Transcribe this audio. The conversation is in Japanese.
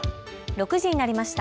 ６時になりました。